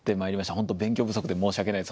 本当勉強不足で申し訳ないです